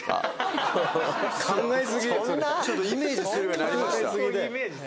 イメージするようになりました。